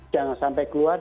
jangan sampai keluar